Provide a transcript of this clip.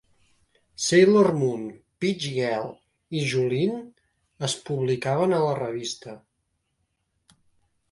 "Sailor Moon", "Peach Girl" y "Juline" es publicaven a la revista.